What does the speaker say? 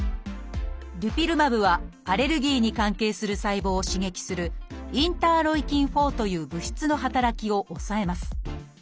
「デュピルマブ」はアレルギーに関係する細胞を刺激するインターロイキン−４という物質の働きを抑えます。